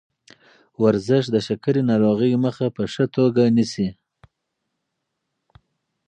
ورزش د شکرې ناروغۍ مخه په ښه توګه نیسي.